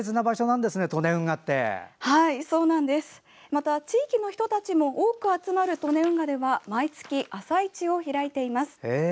また、地域の人たちも多く集まる利根運河では毎月、朝市を開いています。